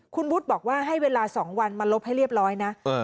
คุณวุฒิบอกว่าให้เวลา๒วันมาลบให้เรียบร้อยนะ